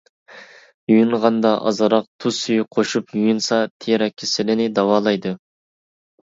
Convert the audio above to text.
يۇيۇنغاندا ئازراق تۇز سۈيى قوشۇپ يۇيۇنسا، تېرە كېسىلىنى داۋالايدۇ.